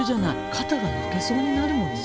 肩が抜けそうになるもんね。